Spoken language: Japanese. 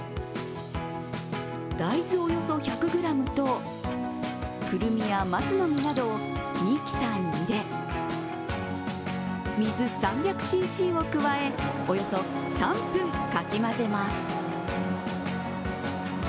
大豆およそ１００ｇと、クルミや松の実などをミキサーに入れ水３００ｃｃを加え、およそ３分かき混ぜます。